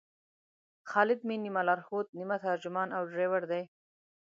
خالد مې نیمه لارښود، نیمه ترجمان او ډریور دی.